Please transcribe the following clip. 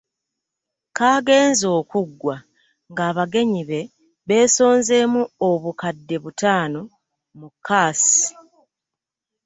Kaagenze okuggwa ng’abagenyi be beesonzeemu obukadde butaano mu kaasi.